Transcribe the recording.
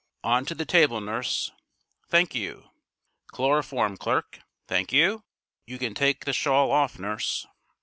On to the table, nurse! Thank you! Chloroform, clerk! Thank you! You can take the shawl off, nurse."